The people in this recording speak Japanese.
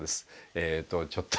えとちょっと。